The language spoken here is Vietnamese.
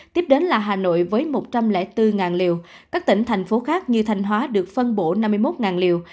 tiếp đến là hà nội với một trăm linh bốn liều các tỉnh thành phố khác như thanh hóa được phân bổ năm mươi một liều